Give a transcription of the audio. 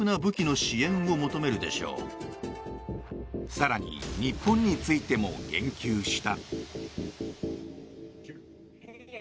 更に日本についても言及した。